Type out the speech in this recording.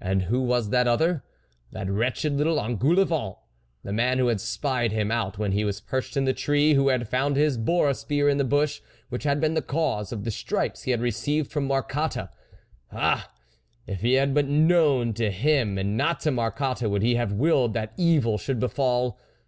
And who was that other ? That wretched little Engoulevent, the man who had spied him out when he was perched in the tree, who had found his boat spear in the bush, which had been the cause of the stripes he had received from Marcotte. Ah ! if he had but known ! to him and not to Marcotte would he have willed that evil should befall!